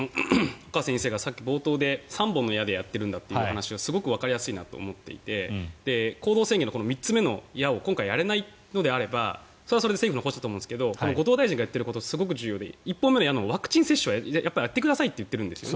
岡先生がさっき冒頭で３本の矢でやってるんだという話はすごくわかりやすいなと思っていて行動制限の３つ目の矢を今回やれないのであればそれはそうだと思うんですが後藤大臣が言っていることすごく重要で１本目の矢のワクチン接種はやってくださいって言ってるんですね。